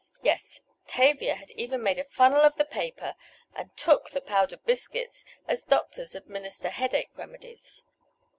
Yes, Tavia had even made a funnel of the paper and "took" the powdered biscuits as doctors administer headache remedies.